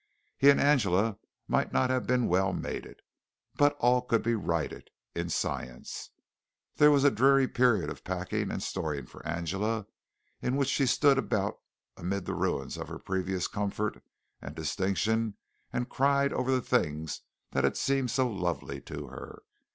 He and Angela might not have been well mated. But all could be righted in Science. There was a dreary period of packing and storing for Angela, in which she stood about amid the ruins of her previous comfort and distinction and cried over the things that had seemed so lovely to her.